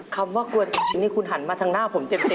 คำว่ากลัวจริงนี่คุณหันมาทางหน้าผมเต็ม